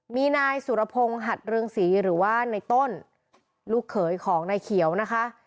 มีนายสุรพงศ์หัดเรืองศรีหรือว่าในต้นลูกเขยของนายเขียวนะคะ